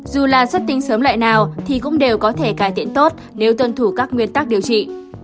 dù là xuất tinh sớm lại nào thì cũng đều có thể cải thiện tốt nếu tuân thủ các nguyên tắc điều trị